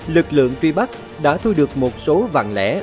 lực lượng truy bắt đã thu được một số vàng lẻ